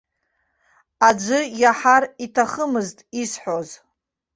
Аӡәы иаҳар иҭахымызт исҳәоз.